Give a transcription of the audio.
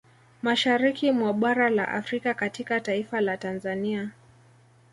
Mashariki mwa bara la Afrika katika taifa la Tanzania